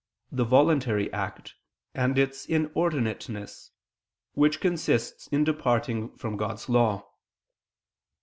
the voluntary act, and its inordinateness, which consists in departing from God's law.